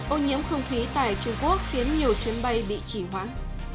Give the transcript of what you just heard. ô nhiễm không khí tại trung quốc khiến nhiều chuyến bay bị chỉ hoãn